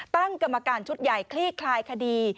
ตั้งกรรมการชุดใหญ่คลี่คลายคดี